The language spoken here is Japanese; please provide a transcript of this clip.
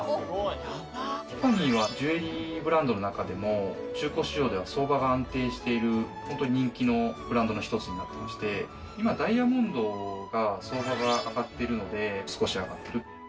ティファニーは中古市場では相場が安定している、本当に人気のブランドの一つになっていまして、今、ダイヤモンドが相場が上がっているので、少し上がってる。